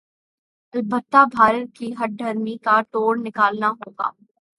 البتہ بھارت کی ہٹ دھرمی کاتوڑ نکالنا ہوگا